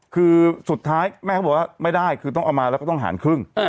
คือสุดท้ายแม่เขาบอกว่าไม่ได้คือต้องเอามาแล้วก็ต้องหารครึ่ง